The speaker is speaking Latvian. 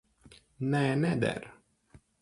Nē, neder.